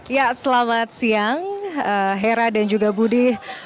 ya selamat siang hera dan juga budi